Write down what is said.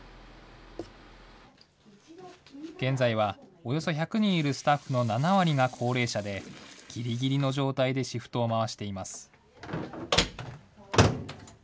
現在は、およそ１００人いるスタッフの７割が高齢者で、ぎりぎりの状態でシフトを回しています。